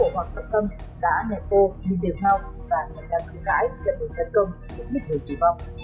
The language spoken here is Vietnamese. trọng tâm đã nẹp ô nhìn đều nhau và sẵn sàng thử cãi giận hụt tấn công khiến một người tùy vong